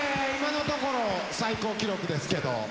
今のところ最高記録ですけど。